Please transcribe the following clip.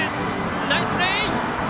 ナイスプレー！